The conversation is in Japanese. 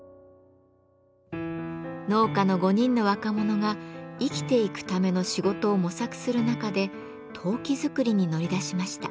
農家の５人の若者が生きていくための仕事を模索する中で陶器作りに乗り出しました。